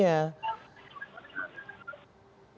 ya kalau kami juga sudah